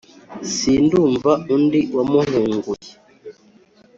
Sindumva undi wamuhunguye